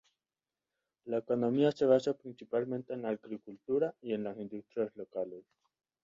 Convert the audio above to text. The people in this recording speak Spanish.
La economía se basa principalmente en la agricultura y en las industrias locales.